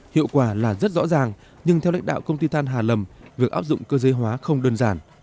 hiệu quả là rất rõ ràng nhưng theo lãnh đạo công ty than hà lầm việc áp dụng cơ giới hóa không đơn giản